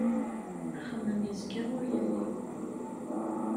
Axemmem yezga ur yelli.